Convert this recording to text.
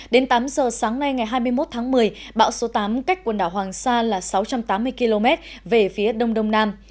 đến tám giờ sáng nay ngày hai mươi một tháng một mươi bão số tám cách quần đảo hoàng sa là sáu trăm tám mươi km về phía đông đông nam